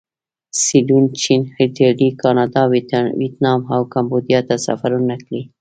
سیلون، چین، ایټالیې، کاناډا، ویتنام او کمبودیا ته سفرونه کړي.